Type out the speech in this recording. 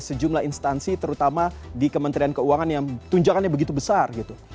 sejumlah instansi terutama di kementerian keuangan yang tunjangannya begitu besar gitu